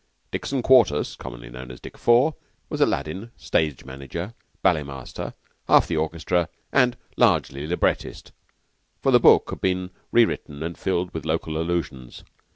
Dickson Quartus, commonly known as Dick Four, was Aladdin, stage manager, ballet master, half the orchestra, and largely librettist, for the "book" had been rewritten and filled with local allusions.